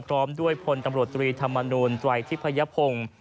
พร้อมด้วยพลตำรวจตรีธรรมนูลไตรทิพยพงศ์